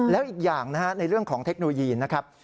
แล้วอีกอย่างนะฮะในเรื่องของเทคโนโลยีนะครับ